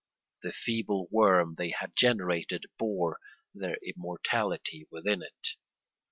The feeble worm they had generated bore their immortality within it.